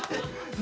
何？